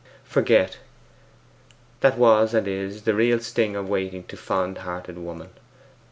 Forget: that was, and is, the real sting of waiting to fond hearted woman.